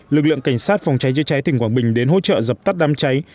lực lượng cảnh sát phòng cháy chữa cháy tỉnh quảng bình đến hỗ trợ dập tắt đám cháy